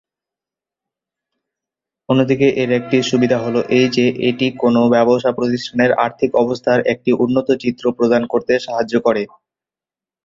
অন্যদিকে এর একটি সুবিধা হল এই যে এটি কোনও ব্যবসা প্রতিষ্ঠানের আর্থিক অবস্থার একটি উন্নত চিত্র প্রদান করতে সাহায্য করে।